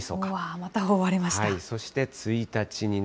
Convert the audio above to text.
また覆われました。